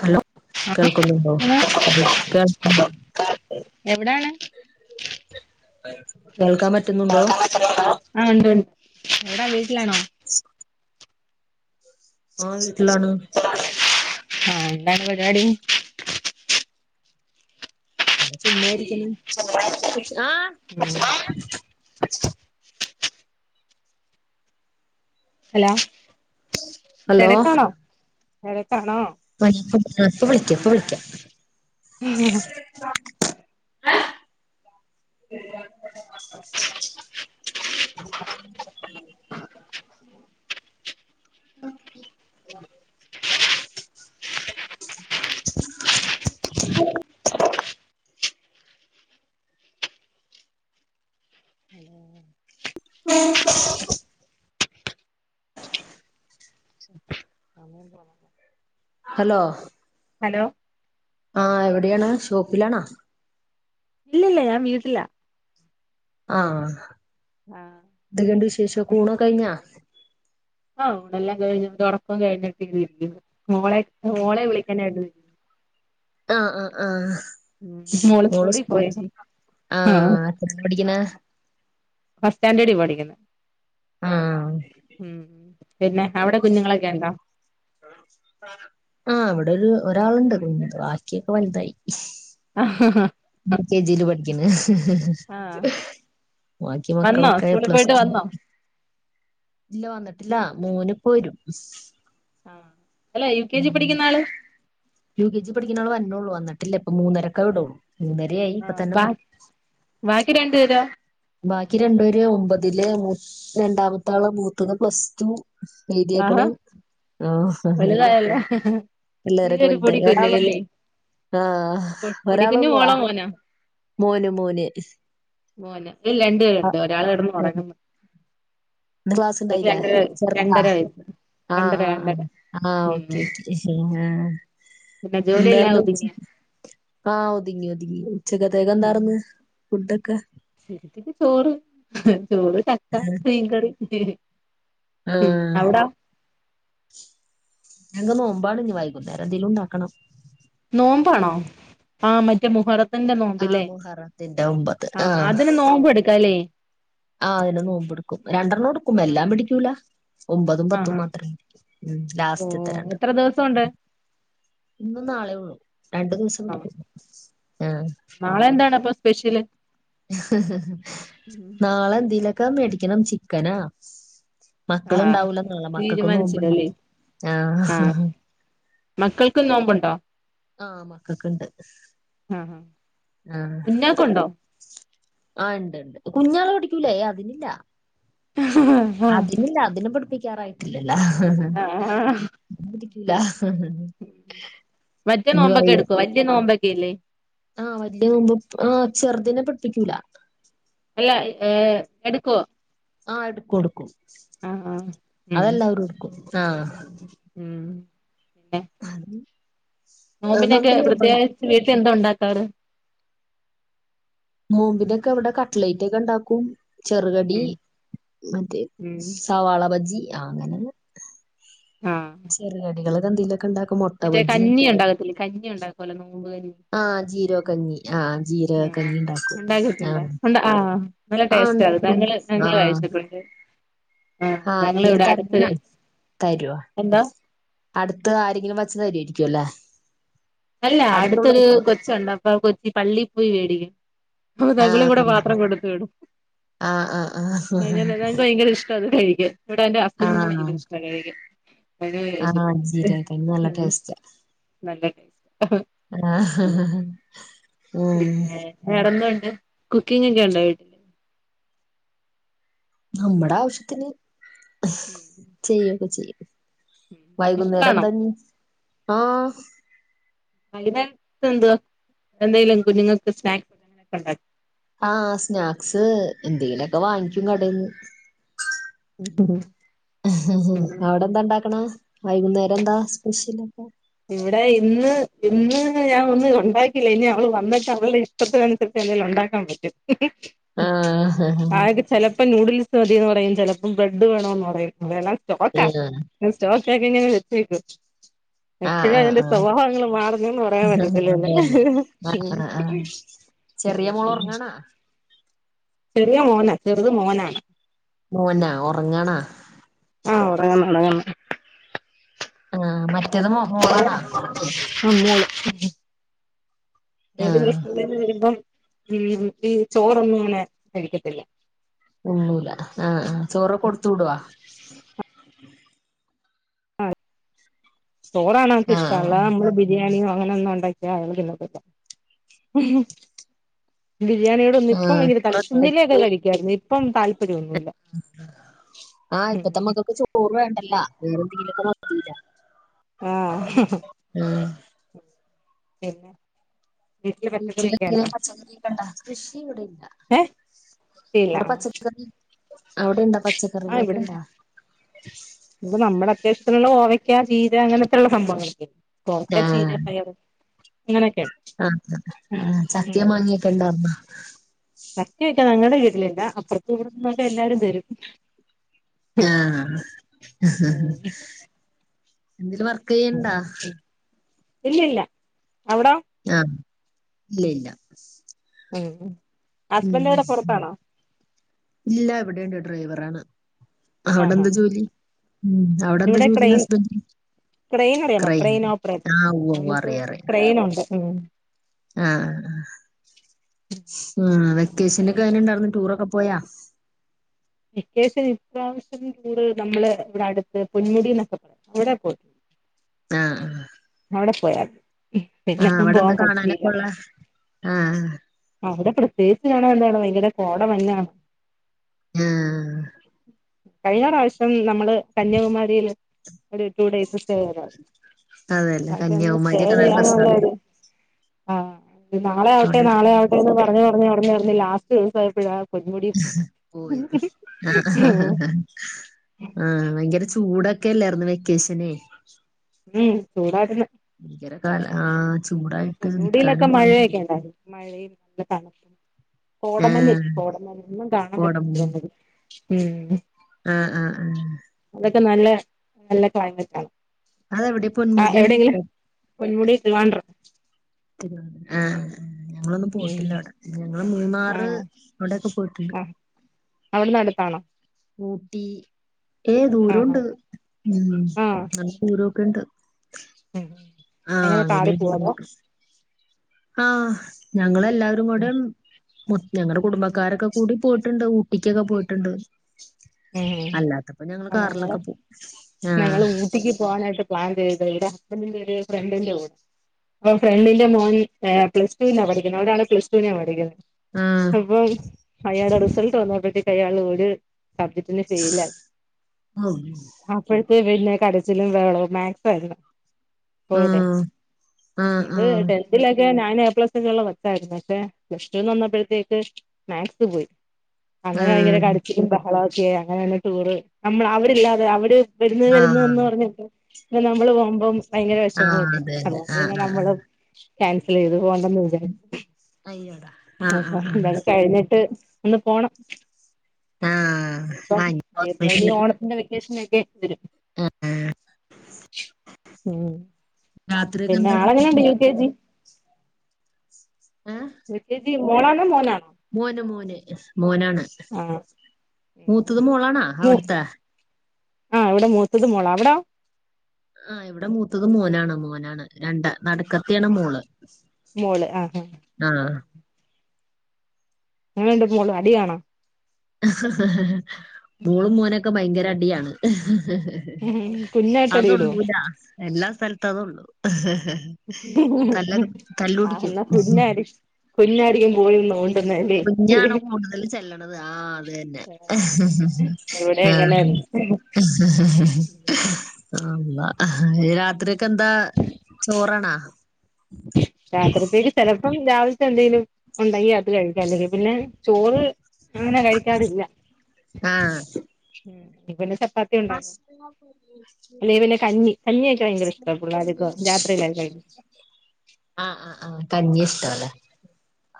Hello കേൾക്കുന്നുണ്ടോ hello അതൊക്കെ എവിടാണ് കേൾക്കാൻ പറ്റുന്നുണ്ടോ കേൾക്കാൻ പറ്റുന്നുണ്ടോആഹ ഉണ്ട് ഉണ്ട് എവിടാ വീട്ടിലാണോ ആവീട്ടിലാണ് [unintelligible] ചുമ്മാ ഇരിക്കണ്ആ ഹലോ ഹലോ തിരക്കാണോ തൊരക്കാണോ ആ ഇപ്പൊ വിളിക്കാം ഇപ്പൊ വിളിക്കാം [inaudible] ഉ [unintelligible] [inaudible] ഹലോ ഹലോ ആഹ എവിടെയാണ് ഷോപ്പിലാണാ ഇല്ലില്ല ഞാൻ വീട്ടിലാ ആ ആ എന്തൊക്കെ യുണ്ട് വിശേഷം ഊണൊക്കെ കഴിഞ്ഞോ ആ [unintelligible] മോളെ മോളെ വിളിക്കണേ കേട്ടു [inaudible] മോള് സ്കൂളിൽ ആആആ പോയി ആ [unintelligible] [unintelligible] ആഹ് പിന്നെ അവിടെ കുഞ്ഞുങ്ങളൊക്കെ ഉണ്ടോ ആഹ് ഇവിടെ ഒരു ഒരാളുണ്ട് ബാക്കിയൊക്കെ വലുതായി [unintelligible] യു കെ ജിയില് പഠിക്കണ് ആ [unintelligible] ബാക്കി വന്നോ മക്കളൊക്കെ സ്കൂളിൽ പ്ലസ് പോയിട്ട് ടു വന്നോ ഇല്ല വന്നിട്ടില്ല മോൻ ഇപ്പ വരും അല്ല യു കെ ജി പഠിക്കുന്ന ആള് യു കെ ജി പഠിക്കുന്നവള ള്ളൂ വന്നിട്ടില്ലഇപ്പ മൂന്നരക്കെ വിടു മൂന്നരയായി ഇപ്പ തന്നെ വരും തിരേണ്ട തരുോ [unintelligible] ബാക്കി രണ്ടു പേര് ഒമ്പതില് രണ്ടാമത്താള് മൂത്തത് പ്ലസ് ടു ആഹാ എഴുതിയേക്കണ്ആ വലുതായല്ലോ എല്ലാരൊക്കെ നീയൊരു വലുതായി പൊടിക്കുഞ്ഞ് ഒരാളോ അല്ലേ ആ ഒരാളോ പൊടിക്കുഞ്ഞ് ളോ മോളോ മോനോ മോന് മോന് മോന് രണ്ട് ആഹ് പേരുണ്ട് ഒരാൾ കെടന്ന് ഉറങ്ങണ് ഇന്ന് ക്ലാസ് ഉണ്ടായില്ലേ രണ്ടര ചെറുതാ രണ്ടര വയസ് രണ്ടര രണ്ടര ആ ഉം ഓക്കെ ഓക്കെ ഓക്കെ പിന്നെ ജോലിയെല്ലാം എന്താർന്നു ഒതുങ്ങിയോ ആ ഒതുങ്ങി ഉച്ചക്കത്തേക്ക് എന്താർന്ന് ഫുഡൊക്കെ ചക്ക് ചോറ് ചോറ് ചക്ക മിൻ കറി ഉം ആഹ് അവിട ഞങ്ങ് നോമ്പാണ് ന്ന് വൈകുന്നേരം എന്തേലും ഉണ്ടാക്കണം നോമ്പാണോ ആഹ് മറ്റേ മുഹറ അന്റെ ആഹ് നോമ്പല്ലേ മുഹറത്തിന്റെ ഒമ്പത് ആ അതിന് നോമ്പ് എടുക്കല്ലേ ആ അതിനെ നോമ്പടുക്കും രണ്ടെണ്ണം കൊടുക്കും എല്ലാം ആഹ് പിടിക്കൂല ഒമ്പതും പത്തും ആഹ് മാത്രം പിടിക്കും ഓഹ് ലാസ്റ്റ്ത്തരണ്ട് എത്ര ദിവസമുണ്ട് ഇന്ന് നാളെ ഉള്ളു രണ്ടു ദിവസം ആഹ് ആഹ് നാളെ എന്താണ് അപ്പൊ സ്പെഷ്യല് നാളെ എന്തതിലൊക്കാ മേടിക്കണം ചിക്കനാ മക്കള ആഹ് ഇണ്ടാവൂല നാളെ മക്കൾക്കൊന്ന നോമ്പ്ണ്ടാവ തീരുമാനിച്ചില്ലല്ലേ ആ മക്കൾക്ക് നോമ്പുണ്ടോ ആഹ് മക്കൾക്കുണ്ട് ആഹ് കുഞ്ഞാക്കുണ്ടോ ആ ഉണ്ട്ണ്ട് കുഞ്ഞാൾ പടിക്കൂലേ അതിനില്ല അതിനില്ല അതിനെ പിടിപ്പിക്കാറായി ല്ല ആഹ് പിടിക്കൂല മറ്റേ നോമ്പൊക്കെ എടുക്കോ വല്ല്യ നോമ്പൊക്കെ അല്ലേ ആഹ് വല്യ നോമ്പ് ആഹ് ചെറുതിനെ പിടിപ്പിക്കൂല ല്ല ഏ എടുക്കും ആഹ് എടുക്കും കൊടുക്കും ആഹ് അതെല്ലാവരും എടുക്കും ആഹ് ഉം പിന്നെ അ നോമ്പിനൊക്കെ പ്രത്യേകിച്ച് വീട്ടിൽ എന്താ ഉണ്ടാക്കാറ് നോമ്പിനൊക്കെ അവിടെ കട്ലൈറ്റ് ഒക്കെ ഉണ്ടാക്കും ചെറുകടി മറ്റേ ഉം സവാള ബജി അങ്ങനെ ആഹ് ചെറിയ അടികൾ അത് ന്തേലൊക്ക ഉണ്ടാക്ക മറ്റേ കഞ്ഞി ഉണ്ടാകത്തില്ല കഞ്ഞി ഉണ്ടാക്കലോ നോമ്പുകത്തി ആ ജീരക കഞ്ഞി ആ ജീരക ഉം കഞ്ഞി ഉണ്ടാക്കും ആ ഉണ്ടാക്കിട്ടുണ്ടോ ആ നല്ല ടേസ്റ്റ് ആ ഞങ്ങള് ഞങ്ങള് കഴിച്ചപ്പണ്ട് ആഹ് അങ്ക അടുത്തൊരു തരഞ്ഞേണാ തരുവ എന്താ അടുത്ത് ആരെങ്കിലും വച്ചത് തരുവായിരിക്കു അല്ലേ അല്ല അടുത്തൊരു അടുത്തുള്ളവര് കൊച്ചുണ്ട് അപ്പ കൊച്ച് പള്ളി പോയി മേടിക്കും അപ്പം ആ തകിളി കൂടെ പാത്രം കൊടുത്തു വിടും ആ ആ ആ അങ്ങനെല്ല എനിക്ക് ഭയങ്കര ഇഷ്ടല്ല കഴി ഇ എന്റെ ഹസ്ബന്റിന് ഇഷ്ടാ കഴിക്കാൻ അത് ആഹ് അ ജീരകക്കഞ്ഞി നല്ല ഉം ടേസ്റ്റ് നല്ല ടേസ്റ്റാ ആഹ് പിന്നെ വേറെന്തുണ്ട് കുക്കിങ് ഒക്കെ ഉണ്ടായിട്ടില്ലേ നമ്മുടെ ആവശ്യത്തിന് ചെയ്യൊക്കെ ചെയ്യും വൈകുന്നേരം ഇഷ്ടാണോ തന്ന ആഹ അതിനകത്ത് എന്വാ എന്തായാലും കുഞ്ഞുങ്ങൾക്ക് സ്നാക്കൊക്കെ ഉണ്ടാക്കി ആഹ് സ്നാക്സ് എന്തെങ്കിലൊക്കെ വാങ്ങിക്കും കടന്ന് [inaudible] അവിടെ എന്താ ഉണ്ടാക്കണ വൈകുന്നേരം എന്താ സ്പെഷ്യൽ ഒക്കെ ഇവിടെ ഇന്ന് ഇന്ന് ഞാൻ ഒന്ന് ഉണ്ടാക്കില്ല ഇനി അവള് വന്നട്ട് അവളുടെ ഇഷ്ടത്തിനനുസരിച്ച് ഉണ്ടാക്കൻ പറ്റും ആഹ് ആക്ക് ചെ ഇപ്പൊ നൂഡിൽസ് മതിന്ന് പറയും ചിലപ്പോം ബ്രെഡ് വേണന്ന് പറയും വണം സ്റ്റോക്കാ ആഹ് സ്റ്റോ അെ നിങ്ങൾ എച്ചു ആഹ് എപ്പഴും അതിന്റെ ആഹ് സ്വഭാവങ്ങൾ മാറുന്നുന്ന് പറയാൻ പറ്റത്തില്ലല്ലേ അതന്നെ ആഹ് ആഹ് ആഹ് ചെറിയ മോള ഉറങ്ങണാ ചെറിയ മോനാ ചെറുത് മോനാണ് മോനാ ഉറങ്ങേണ് ആ ഉറങ്ങ്ന്ന് ഉറങ്ങ്ന്ന് ആ മറ്റത് മോളാണാ ആ മോള് ആഹ് സ്കൂളിന്ന് വരുമ്പം ഈ ചോറൊന്നും അങ്ങനെ കഴിക്കത്തില്ല ഉള്ളൂല ആ ചോറ് കൊടുത്ത് വിടോ ചോറാണ് ഓൾക്ക് ആഹ് ഇഷ്ടം അല്ല ആഹ് നമ്മള് ബിരിയാണിയൊ അങ്ങനെ ഒന്നും ഉണ്ടാക്കിയ അവൾ തിന്നത്തില്ല ബിരിയാണിയോട് ഒന്ന് ഇപ്പം ആഹ് വല്യ ചോറൊക്കെ കുഞ്ഞിലൊക്കെ കഴിക്കായിരുന്നു ഇപ്പം താല്പര്യം ആ ഇപ്പത്ത മക്കക്ക് ചോറ് വേണ്ട ല്ല വേറെ എന്തെങ്കിലൊക്കെ [unintelligible] ആഹ പിന്നെ വീട്ടില് പച്ചക്കറിയൊക്കെ ഇങ്ങനെ ഉണ്ടോ പച്ചക്കറിയൊക്കെ ഇണ്ട കൃഷി ഇവിടെ ഇല്ല ഏഹ് അവടെ പച്ചക്കറി അവിടെണ്ടോ ആ പച്ചക്കറികളൊക്കെ ഇവിടെ ഇണ്ടോ ഇപ്പൊ നമ്മടെ അത്യാവശ്യത്തിനുള്ള ഓവ ക്ക ചീര അങ്ങനെക്കള്ള സംഭവങ്ങളില്ലേ കോവക്ക ചീര പയറ് അങ്ങനെ ആ ആ ചക്ക മാങ്ങിയൊക്കെ ഇണ്ടാവോ ചക്കയൊക്കെ ഞങ്ങടെ വീട്ടിലില്ല അപ്പുറത്തും ഇപ്പറത്തുന്നൊക്കെ എല്ലാരും തരും ആ എന്തേലും വർക്ക് ചെയ്യണ്ടാ ഇല്ലല്ല അവിടോ ആഹ് ഇല്ല ഇല്ല ഉം ഉം ഇല്ല ഇവിടെണ്ട് ഡ്രൈവറാണ് ആഹ് ആഹ് അവിടെന്താ ജോലി ഉം അവിടെ എന്താ ഇവിടെ ജോലി ക്രെയിൻ ഹസ്ബന്റിന് ക്രെയിൻ അറിയാമോ ക്രെയിൻ ഓപ്പറേറ്റർ ഉവ്വ് നമുക്ക് ക്രെയിൻ ഉണ്ട് ആ ആ ഉം വെക്കേഷനൊക്കെ എങ്ങനെ ഇണ്ടായിരുന്നു ടൂറൊക്കെ പോയാ വെക്കേഷൻ ഇപ്രാവശ്യം നമ്മള് ഇവിടെ അടുത്ത് പൊന്മുടി എന്നൊക്കെ പറയും അവിടെ പോയി [inaudible] ആ ആ അവിടെ പോയാ പിന്നെങ്ങും പോവാൻ പറ്റിയില്ല ആ അവിടെ പ്രത്യേകിച്ച് കാണാൻ എന്താണ് ഭയങ്കര കോട മഞ്ഞാണ് ഹാ കഴിഞ്ഞ പ്രാവശ്യം നമ്മള് കന്യാകുമാരിയില് ഒരു ടു ഡേയ്സ് സ്റ്റേ ചെയ്താർന്നു അതെല്ലേ കന്യാകുമാരിയൊക്കെ നല്ല രസാണ് [unintelligible] ആ നാളെ ആവട്ടെ അവിടെയൊക്കെ നാളെ ആവട്ടെ എന്ന് പറഞ്ഞ് പറഞ്ഞ് പറഞ്ഞ് ലാസ്റ്റൂസായപ്പഴാ പോയിത് ആ ഉം ആഹ് ഭയ്ങ്കര ചൂടൊക്കെല്ലായിർന്നു വെക്കേഷനെ ഉം ചൂടാർന്ന് [unintelligible] ആ പൊന്മുടിയിലൊക്കെ മഴയൊക്കെണ്ടായിരുന്നു മഴയും നല്ല തണുപ്പും കോടമഞ്ഞില്ലേ ആഹ് കോടമലഞ്ഞും ഒന്നും കാണാൻ കോടമഞ്ഞ് പറ്റുന്നില്ല [unintelligible] ഉം ആഹ് ആഹ് ആഹ് അതൊക്കെ നല്ല നല്ല ക്ലൈമറ്റാ അതെവിടെ ആ പൊന്മുടി എവിടേങ്കിലും പൊന്മുടി ട്രിവാൻഡ്രം ആ ഞങ്ങളൊന്നും ഉം പോയിട്ടില്ല അവിടെ ഞങ്ങള് മൂന്നാറ് ആഹ് അവിടൊക്കെ പോയി ആഹ് അവിടുന്ന് അടുത്താണോ ഊട്ടി ഏ ആഹ് ദൂരോണ്ട് ഉം ആഹ് നല്ല ദൂരൊക്കെണ്ട് ഉം ആ എങ്ങനെ കാറി അങ്ങനെയ പോവോ അതോ നോക്കും ആ ഞങ്ങളെല്ലാരും ഉം കൂടെം മു ഞങ്ങളടെ കുടുംബക്കാരൊക്കെ കൂടി പോയിട്ടുണ്ട് ഊട്ടിക്കൊക്കെ പോയിട്ടുണ്ട് ഏ അല്ലാത്തപ്പോ ഞങ്ങള് കാറിലൊക്കെ പോവും ഞങ്ങള് ഊട്ടിക്ക് പോവാനായിട്ട് പ്ലാൻ ചെയ് ടെ ഹസ്ബൻറിന്റെര് ഫ്രണ്ടിന്റെറെ കൂടെ അപ്പൊ ഫ്രണ്ടിന്റെ മോൻ ഏ പ്ലസ ടൂല പഠിക്കുന്ന അവിടാണ് പ്ലസ് ടുനാ പഠിക്കുന്നെ ആഹ് അപ്പൊ അയാള റിസൾട്ട് വന്ന പറ്റേക്ക് അയാള് ഒര് സബ്ജക്റ്റിന് ഫെയിൽ ആയി ആഹ് അപ്പഴ് പിന്നെ കരച്ചിലും ബെഹളവും മാക്സ് ആരുന്നു പോയതെ ആഹ് ആഹ് ഇത് ആഹ് ടെൺതിലൊക്കെ നാ നാല് എ പ്ലസ് ഒക്കെള്ള കവച്ചായിരുന്നു പക്ഷെ പ്ലസ് ടുന്ന് വന്നപ്പഴ്ത്തേക്ക് മാക്സ് പോയി അങ്ങനെ ഭയ്ങ്കര ആഹ് കരച്ചിലും ബഹളവും ഒക്കെ അങ്ങനെയന്ന ടൂറ് നമ്മ അവരില്ലാതെ അവര് വരുന്ന വരുന്ന ആഹ് എന്ന് പറഞ്ഞിട്ട് പിന്നെ നമ്മള് പോമ്പം ഭയങ്കര ആഹ് വെഷമല്ലേ അതന്നെ അതോണ്ട് ആഹ് പിന്നെ ആഹ് ആഹ് നമ്മള് ക്യാൻസലെയ്തു പോണ്ടന്ന് വിച അയ്യോടാ ആഹ് അ ആഹ് ആഹ് എന്തായാലും കഴിഞ്ഞിട്ട് ഒന്ന് പോണം ആഹ് ഒരുസം ആഹ് ഇനിപ്പോ ഓണത്തിന്റെ വെക്കേഷൻ ആയി ആ ആ ഉ രാത്രിയൊക്കെ പിന്നെ എന്താ ആള് എങ്ങനെണ്ട് യു കെ ജി ഏഹ് യുകെജി മോളാണോ മോനാണോ മോന് മോന് മോനാണ് ആഹ് മൂത്തത് മോളാണ അവിടുത്തെ ആ ഇവിടെ മൂത്തത് മോളാ അവിടോ ആ ഇവിടെ മൂത്തത് മോനാണ് മോനാണ് രണ്ട നടക്കത്ത്യാണ് മോള് മോള് ആ ആ ആഹ് എങ്ങനെണ്ട് മോള് അടിയാണോ മോളും മോനൊക്കെ ഭയ്ങ്കര അടിയാണ് കുഞ്ഞായിട്ട് അടിയിടോ അതൊള്ളൂല എല്ലാ സ്ഥൽത്തും അതുള്ളൂ തല്ലതെ ആഹ് തല്ലുടിക്കും എന്നാ കുഞ്ഞാരി കുഞ്ഞായിരിക്കും പോയി നോണ്ടുന്നല്ലേ കുഞ്ഞാണ കൂടുതൽ ചെല്ലണത് ആ അത് തന്നെ ഇവിടെ ആ അങ്ങനെന്നെ അള്ളാ ആ രാത്ര്യൊക്കെന്താ ചോറാണാ രാത്രിയിലെ [unintelligible] ഇം രാവിൽത്തെ എന്തെലും ഉണ്ടങ്കി അത് കഴിക്കും അല്ലെങ്കി പിന്നെ ചോറ് അങ്ങനെ കഴിക്കാറില്ല ആഹ്. പിന്നെ ച പ്പാത്തി ഉണ്ടാക്കും. അല്ലേ പിന്നെ കഞ്ഞി കഞ്ഞിയെക്കെ ഭയങ്കര ഇഷ്ടാ പുള്ളാര്ക്കും രാത്രിയിലെക്കെ കഴി ആഹ് ആഹ് ആഹ് കഞ്ഞി ഇഷ്ടാലേ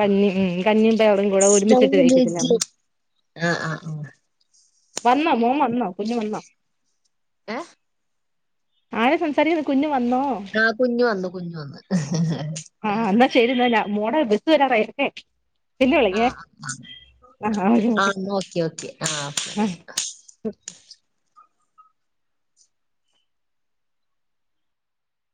കഞ്ഞി ഉം കഞ്ഞിയും പയറുംകൂടെ ഒരുമിച്ചിട്ട് ആഹ് വേവിക്കത്തില്ലേ [unintelligible] ആഹ് ആഹ്. വന്നോ മോൻ വന്നോ കുഞ്ഞ് വന്നോ ഏഹ് ആരാ സംസാരിക്കുന്നത് കുഞ്ഞു വന്നോ ആഹ് കുഞ്ഞ് വന്നു കുഞ്ഞ് വന്നു. ആഹ് ഇന്നാ ശരിന്ന ഞാ മോടെ ബസ് വരാറായി അല്ലേ പിന്നെ വിളിക്കേ ആഹ് ആഹ് [unintelligible] ന്നാ ഓക്കെ ഓക്കെ. ആഹ് ഓക്കെ. ആഹ്